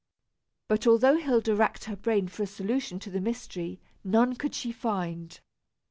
But although Hilda racked her brain for a solution of the mystery, none could she find.